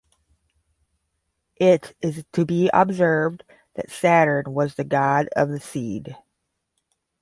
It is to be observed that Saturn was the god of the seed.